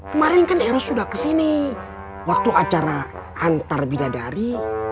kemarin kan ero sudah kesini waktu acara antar bidadari